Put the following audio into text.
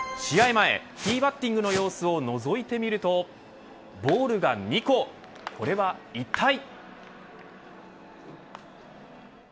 前、ティーバッティングの様子をのぞいてみるとボールが２個これはいったい。